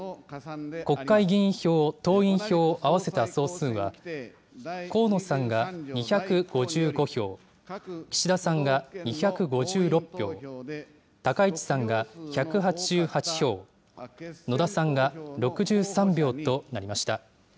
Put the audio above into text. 国会議員票、党員票合わせた総数は、河野さんが２５５票、岸田さんが２５６票、高市さんが１８８票、野田さんが６３票となりました。